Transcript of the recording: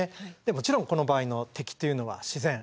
もちろんこの場合の敵というのは自然。